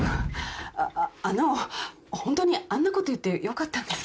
ああのホントにあんなこと言ってよかったんですか？